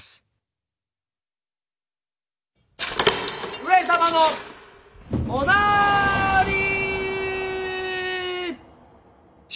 ・上様のおなーりー。